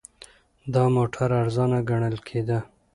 دا موټر ارزانه ګڼل کېده.